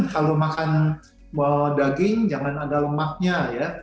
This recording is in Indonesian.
kalau makan daging jangan ada lemaknya ya